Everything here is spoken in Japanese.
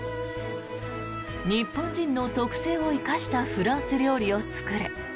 日本人の特性を生かしたフランス料理を作る。